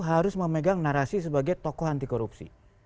harus memegang narasi sebagai tokoh anti korupsi